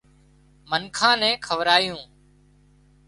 هانَ منکان نين کوَرايون